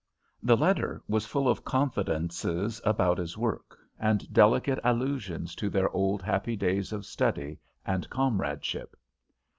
The letter was full of confidences about his work, and delicate allusions to their old happy days of study and comradeship.